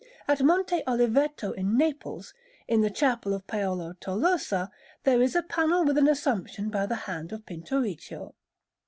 At Monte Oliveto in Naples, in the Chapel of Paolo Tolosa, there is a panel with an Assumption by the hand of Pinturicchio.